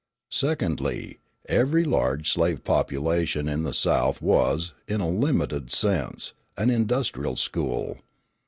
Secondly, every large slave plantation in the South was, in a limited sense, an industrial school.